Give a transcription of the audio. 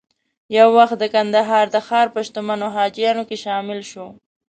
یو وخت د کندهار د ښار په شتمنو حاجیانو کې شامل شو.